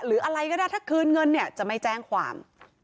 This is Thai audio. หรืออะไรก็ได้ถ้าคืนเงินเนี่ยจะไม่แจ้งความ